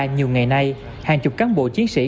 nhiều ngày nay hàng chục cán bộ chiến sĩ